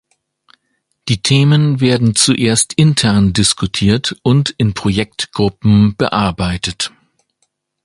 Die Themen werden zuerst intern diskutiert und in Projektgruppen bearbeitet.